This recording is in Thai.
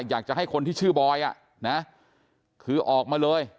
อยากจะให้คนที่ชื่อบอยคือออกมาเลย